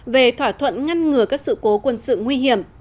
về thỏa thuận ngăn ngừa các sự cố quân sự nguy hiểm